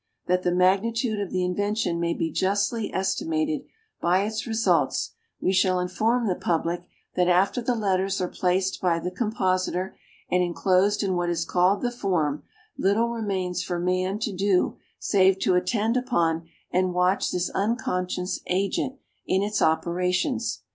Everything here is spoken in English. That the magnitude of the invention may be justly estimated by its results, we shall inform the public, that after the letters are placed by the compositor, and inclosed in what is called the form, little remains for man to do save to attend upon and watch this unconscious agent in its operations.